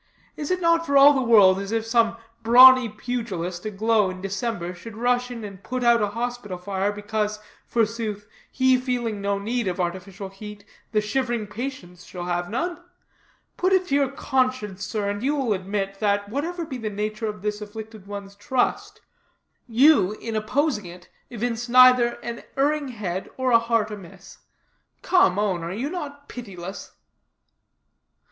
Is it not for all the world as if some brawny pugilist, aglow in December, should rush in and put out a hospital fire, because, forsooth, he feeling no need of artificial heat, the shivering patients shall have none? Put it to your conscience, sir, and you will admit, that, whatever be the nature of this afflicted one's trust, you, in opposing it, evince either an erring head or a heart amiss. Come, own, are you not pitiless?"